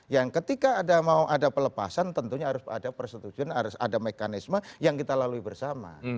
yang ketika ada mau ada pelepasan tentunya harus ada persetujuan harus ada mekanisme yang kita lalui bersama